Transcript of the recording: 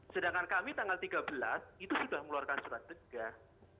sedangkan kami tanggal tiga belas itu sudah meluarkan surat cegah